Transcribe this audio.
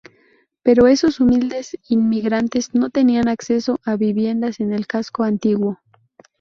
Pero esos humildes inmigrantes no tenían acceso a viviendas en el casco antiguo.